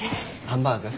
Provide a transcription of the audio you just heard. ハンバーグ？